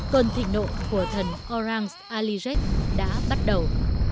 cơn thịt nộ của thần orang aliret đã bắt đầu